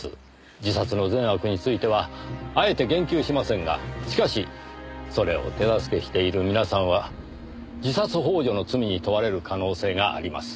自殺の善悪についてはあえて言及しませんがしかしそれを手助けしている皆さんは自殺幇助の罪に問われる可能性があります。